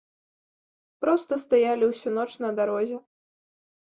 Проста стаялі ўсю ноч на дарозе.